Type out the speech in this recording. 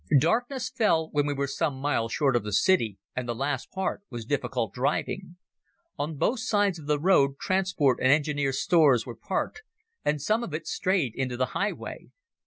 Darkness fell when we were some miles short of the city, and the last part was difficult driving. On both sides of the road transport and engineers' stores were parked, and some of it strayed into the highway.